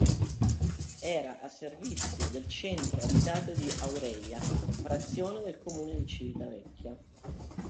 Era a servizio del centro abitato di Aurelia, frazione del comune di Civitavecchia.